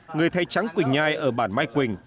người thay trắng quỳnh nhai ở bản mai quỳnh